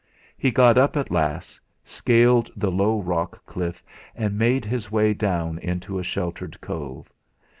He got up at last, scaled the low rock cliff, and made his way down into a sheltered cove.